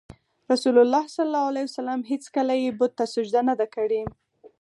رسول الله ﷺ هېڅکله یې بت ته سجده نه ده کړې.